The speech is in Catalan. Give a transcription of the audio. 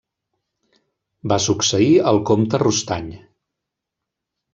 Va succeir al comte Rostany.